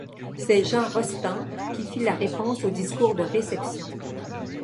C'est Jean Rostand qui fit la réponse au discours de réception.